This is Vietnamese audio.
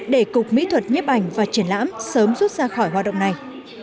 để cục mỹ thuật nhếp ảnh và triển lãm sớm rút ra khỏi hoạt động này